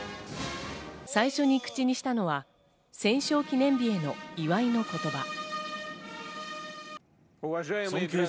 最初に口にしたのは戦勝記念日への祝いの言葉。